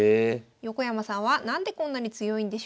横山さんは何でこんなに強いんでしょうか。